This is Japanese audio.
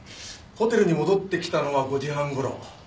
ホテルに戻ってきたのは５時半頃。